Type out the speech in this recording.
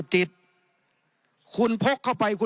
ในทางปฏิบัติมันไม่ได้